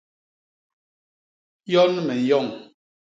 Yon me nyoñ.